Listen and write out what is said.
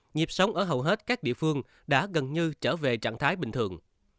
nhịp sống ở hầu hết các địa phương đã gần như trở về trạng thái bình thường